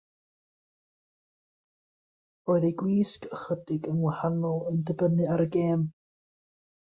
Roedd ei gwisg ychydig yn wahanol, yn dibynnu ar y gêm.